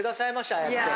ああやって。